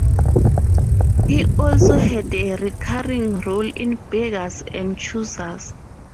He also had a recurring role in "Beggars and Choosers".